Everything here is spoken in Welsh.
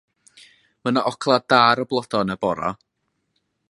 Mae 'na ogla' da ar y bloda' yn y bora.